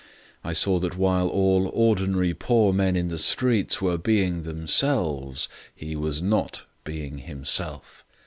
I saw that while all ordinary poor men in the streets were being themselves, he was not being himself.